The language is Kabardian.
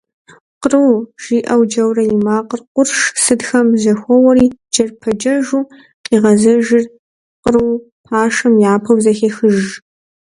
«Къру» жиӀэу джэурэ и макъыр къурш сытхэм жьэхоуэри джэрпэджэжу къигъэзэжыр къру пашэм япэу зэхехыж.